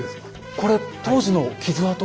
これ当時の傷痕？